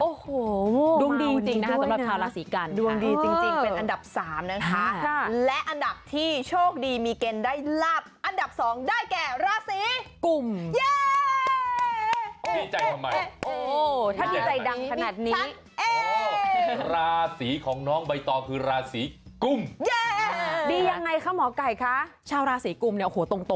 โอ้โหดวงดีจริงนะครับสำหรับชาวราศีกัณฑ์